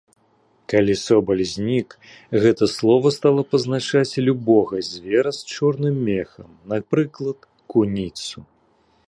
Калі собаль знік, гэтае слова стала пазначаць любога звера з чорным мехам, напрыклад куніцу.